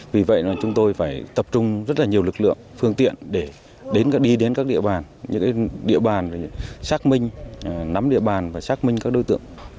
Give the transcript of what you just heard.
vì vậy chúng tôi phải tập trung rất là nhiều lực lượng phương tiện để đi đến các địa bàn những địa bàn để xác minh nắm địa bàn và xác minh các đối tượng